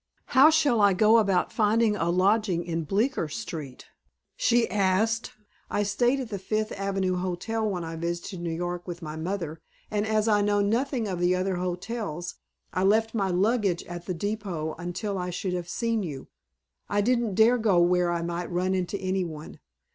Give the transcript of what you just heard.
"How shall I go about finding a lodging in Bleecker Street?" she asked. "I stayed at the Fifth Avenue Hotel when I visited New York with my mother, and as I know nothing of the other hotels, I left my luggage at the depot until I should have seen you. I didn't dare go where I might run into any one.